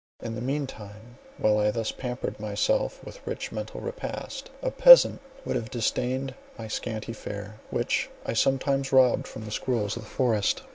In the mean time, while I thus pampered myself with rich mental repasts, a peasant would have disdained my scanty fare, which I sometimes robbed from the squirrels of the forest.